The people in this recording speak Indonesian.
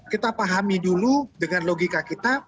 kita pahami dulu dengan logika kita